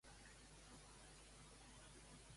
En una estona aquest reialme serà meu.